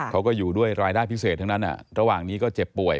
เขาก็อยู่ด้วยรายได้พิเศษทั้งนั้นระหว่างนี้ก็เจ็บป่วย